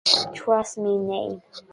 Thus the name.